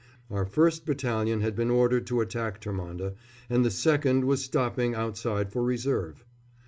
Our 1st battalion had been ordered to attack Termonde, and the 2nd was stopping outside for reserve.